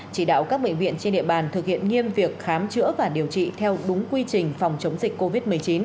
chỉ đạo các bệnh viện trên địa bàn thực hiện nghiêm việc khám chữa và điều trị theo đúng quy trình phòng chống dịch covid một mươi chín